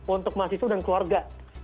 untuk mahasiswa dan keluarga